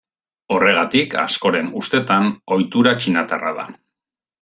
Horregatik, askoren ustetan, ohitura txinatarra da.